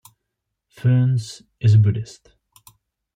Ferns is a Buddhist.